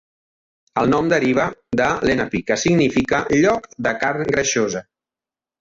El nom deriva de Lenape, que significa lloc de carn greixosa.